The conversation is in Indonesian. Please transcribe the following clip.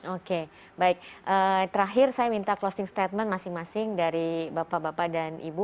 oke baik terakhir saya minta closing statement masing masing dari bapak bapak dan ibu